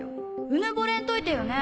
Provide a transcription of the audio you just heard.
うぬぼれんといてよね